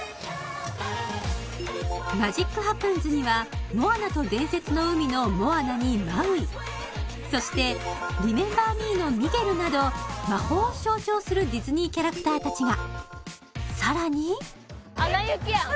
マジック・ハプンズには「モアナと伝説の海」のモアナにマウイそして「リメンバー・ミー」のミゲルなど魔法を象徴するディズニーキャラクターたちがさらにアナ雪？